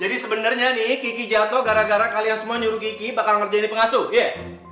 jadi sebenernya nih kiki jatuh gara gara kalian semua nyuruh kiki bakal ngerjain di pengasuh ya